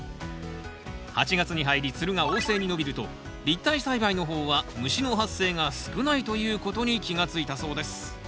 ８月に入りつるが旺盛に伸びると立体栽培の方は虫の発生が少ないということに気が付いたそうです